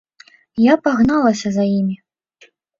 Я пагналася за імі.